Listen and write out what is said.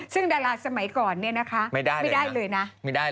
ซึ่งดาราสมัยก่อนเนี่ยนะคะ